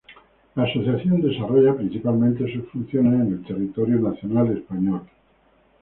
La asociación desarrolla principalmente sus funciones en el territorio nacional español.